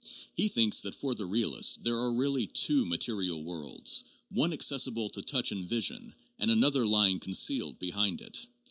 He thinks that for the realist "there are really two material worlds, one accessible to touch and vision, and another lying concealed behind it.